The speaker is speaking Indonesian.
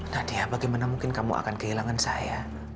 nadia bagaimana mungkin kamu akan kehilangan saya